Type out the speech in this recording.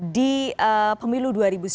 di pemilu dua ribu sembilan belas